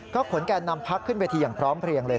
ขนแก่นำพักขึ้นเวทีอย่างพร้อมเพลียงเลย